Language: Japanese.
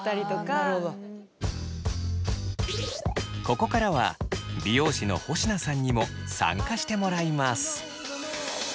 ここからは美容師の保科さんにも参加してもらいます。